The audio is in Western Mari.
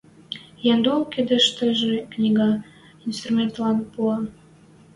Яндул кидӹштӹжӹ книгӓ, инструкторлан пуа.